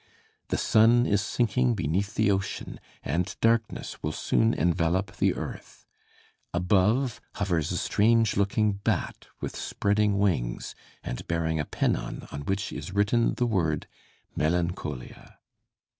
The sun is sinking beneath the ocean, and darkness will soon envelop the earth. Above hovers a strange looking bat with spreading wings, and bearing a pennon on which is written the word "Melancholia."